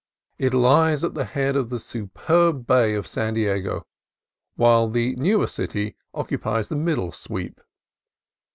OLD TOWN, SAN DIEGO 51 It lies at the head of the superb bay of San Diego, while the newer city occupies the middle sweep.